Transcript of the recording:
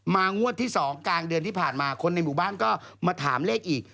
งวดที่๒กลางเดือนที่ผ่านมาคนในหมู่บ้านก็มาถามเลขอีก